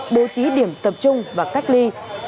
bố trí điểm tập trung và cách ly